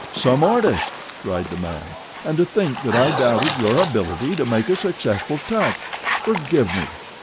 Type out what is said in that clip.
"Some artist!" cried the man. "And to think that I doubted your ability to make a successful touch! Forgive me!